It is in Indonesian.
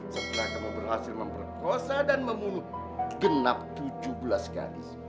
setelah kamu berhasil memperkosa dan membunuh genap tujuh belas gadis